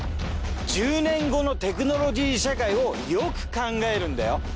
１０年後のテクノロジー社会をよく考えるんだよ。